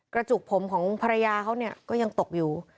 กระจุกผมของภรรยาเขาเนี่ยก็ยังตกอยู่